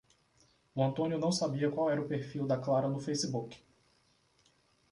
O Antônio não sabia qual era o perfil da Clara no Facebook